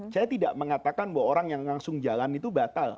saya tidak mengatakan bahwa orang yang langsung jalan itu batal